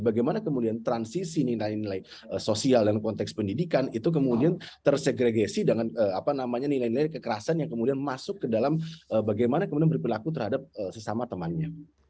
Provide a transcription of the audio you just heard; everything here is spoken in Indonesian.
bagaimana kemudian transisi nilai nilai sosial dan konteks pendidikan itu kemudian tersegregasi dengan nilai nilai kekerasan yang kemudian masuk ke dalam bagaimana kemudian berperilaku terhadap sesama temannya